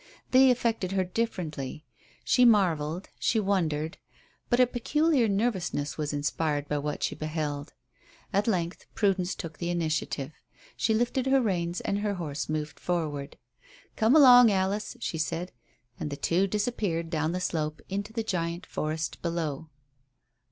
They affected her differently. She marvelled, she wondered, but a peculiar nervousness was inspired by what she beheld. At length Prudence took the initiative. She lifted her reins and her horse moved forward. "Come along, Alice," she said. And the two disappeared down the slope into the giant forest below.